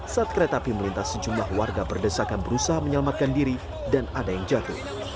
saat kereta api melintas sejumlah warga berdesakan berusaha menyelamatkan diri dan ada yang jatuh